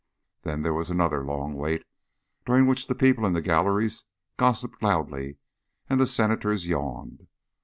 Then there was another long wait, during which the people in the galleries gossiped loudly and the Senators yawned.